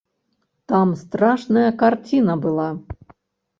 Там страшная карціна была.